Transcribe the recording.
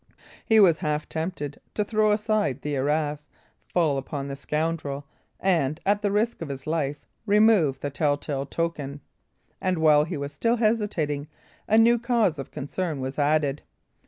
He was half tempted to throw aside the arras, fall upon the scoundrel, and, at the risk of his life, remove the telltale token. And while he was still hesitating, a new cause of concern was added.